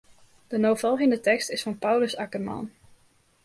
De no folgjende tekst is fan Paulus Akkerman.